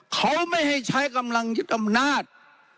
เขาไม่ให้ใช้กำลังยึดอำนาจ